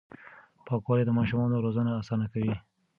پاکوالي د ماشومانو روزنه اسانه کوي.